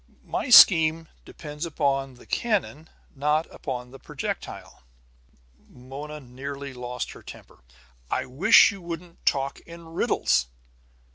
"My scheme depends upon the cannon, not upon the projectile." Mona nearly lost her temper. "I wish you wouldn't talk in riddles!"